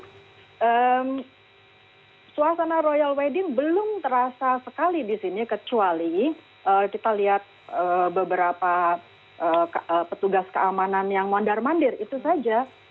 karena suasana royal wedding belum terasa sekali di sini kecuali kita lihat beberapa petugas keamanan yang mandar mandir itu saja